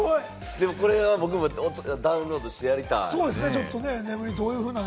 僕もこれはダウンロードしてやりたい。